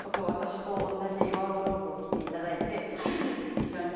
一緒に。